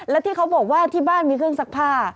และที่เขาบอกว่าที่บ้านมีเครื่องซักผ้า